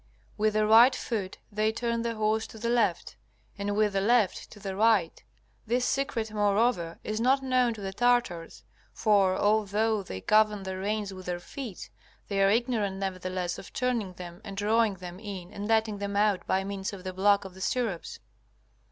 With the right foot they turn the horse to the left, and with the left to the right. This secret, moreover, is not known to the Tartars. For, although they govern the reins with their feet, they are ignorant nevertheless of turning them and drawing them in and letting them out by means of the block of the stirrups.